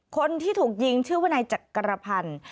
คนที่ถูกยิงชื่อว่าในจักรพรรณ